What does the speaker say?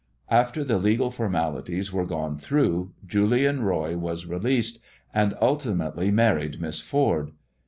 After the legal formalities i^ gone through Julian Roy was released, and ultimately ,jS ried Miss Ford.